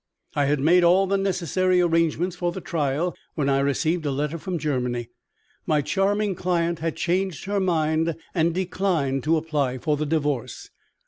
I had made all the necessary arrangements for the trial, when I received a letter from Germany. My charming client had changed her mind, and declined to apply for the Divorce.